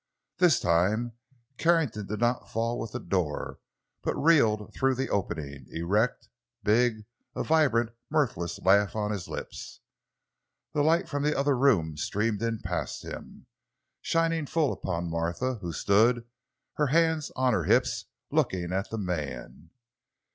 This time Carrington did not fall with the door, but reeled through the opening, erect, big, a vibrant, mirthless laugh on his lips. The light from the other room streamed in past him, shining full upon Martha, who stood, her hands on her hips, looking at the man.